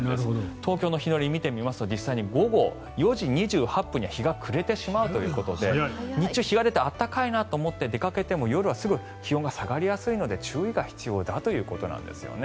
東京の日の入りを見てみますと実際に午後４時２８分には日が暮れてしまうということで日中、日が出て暖かいなと思って出かけても夜はすぐ気温が下がりやすいので注意が必要だということなんですね。